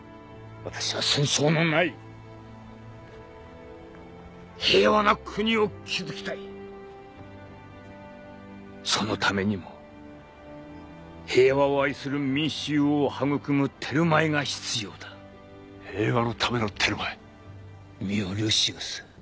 私は戦争のない平和な国を築きたいそのためにも平和を愛する民衆を育むテルマエが必要だ平和のためのテルマエ見よルシウス